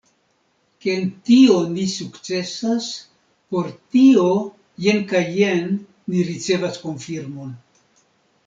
Ke en tio ni sukcesas, por tio jen kaj jen ni ricevas konfirmon.